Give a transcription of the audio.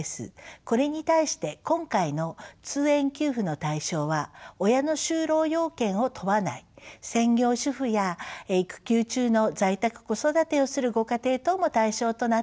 これに対して今回の通園給付の対象は親の就労要件を問わない専業主婦や育休中の在宅子育てをするご家庭等も対象となっています。